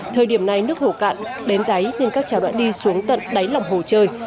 thời điểm này nước hồ cạn đến đáy nên các cháu đã đi xuống tận đáy lòng hồ chơi